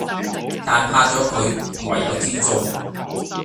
但怕左佢，唯有照做